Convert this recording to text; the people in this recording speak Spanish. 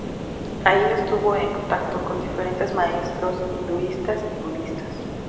Ahí, estuvo en contacto con diferentes maestros hinduistas y budistas.